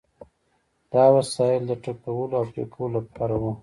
دا وسایل د ټکولو او پرې کولو لپاره وو.